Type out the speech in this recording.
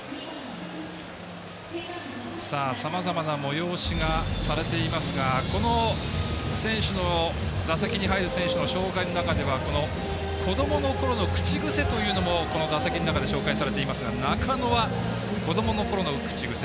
さまざまな催しがされていますが打席に入る選手の紹介の中ではこどものころの口癖というのもこの打席の中で紹介されていますが中野は、こどものころの口癖